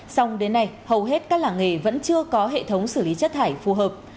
xong đến nay hầu hết các làng nghề vẫn chưa có hệ thống xử lý chất thải phù hợp